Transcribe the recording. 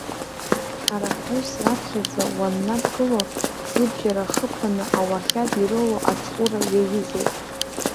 Ҳара ҳус раԥхьаӡа уаннадгыло, зыбжьара хыԥаны ауахьад ирылоу аҽ-ура иаҩызоуп.